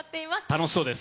楽しそうです。